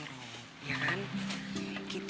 itu bukan itu